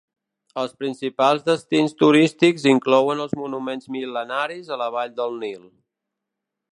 Els principals destins turístics inclouen els monuments mil·lenaris a la Vall del Nil.